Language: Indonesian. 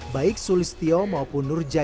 baik sulistyo maupun nurjainah